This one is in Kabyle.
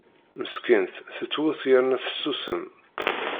Meskint tettwet yerna tessusem.